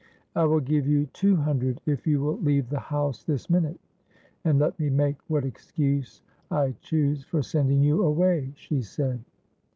—'I will give you two hundred if you will leave the house this minute, and let me make what excuse I choose for sending you away,' she said.